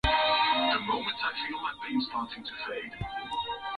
Nchini Tanganyika hadi ilipojipatia uhuru wake